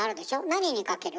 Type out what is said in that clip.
何にかける？